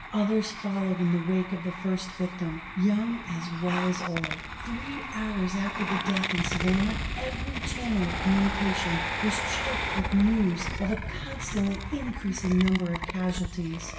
Others followed in the wake of the first victim, young as well as old; three hours after the death in Savannah, every channel of communication was choked with news of a constantly increasing number of casualties.